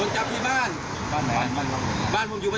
จับไปปั๊บเอารถของผมไปที่